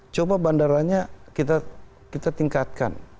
coba bandaranya kita tingkatkan